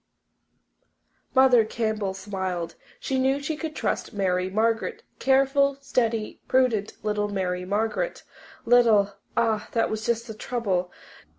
Mother Campbell smiled. She knew she could trust Mary Margaret careful, steady, prudent little Mary Margaret. Little! Ah, that was just the trouble.